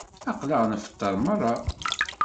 Aql-aɣ nfeṭṭer merra.